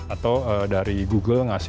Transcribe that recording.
atau dari google ngasih